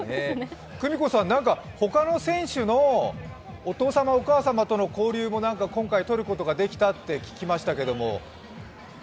久美子さん、他の選手のお父様お母様との交流も今回とることができたと聞きましたけれども？